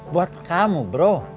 buat kamu bro